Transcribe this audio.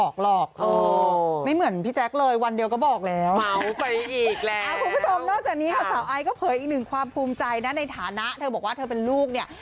ก็คือเหมือนนักธุรกิจเลย